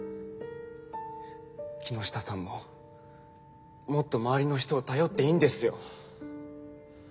木下さんももっと周りの人を頼っていいんですよ。